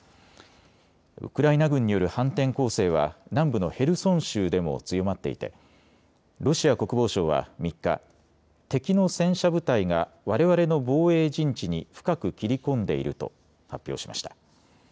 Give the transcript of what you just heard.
ウクライナ軍による反転攻勢は南部のヘルソン州でも強まっていてロシア国防省は３日、敵の戦車部隊がわれわれの防衛陣地に深く切り込んでいると発表しました。